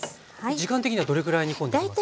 時間的にはどれぐらい煮込んでいきますか？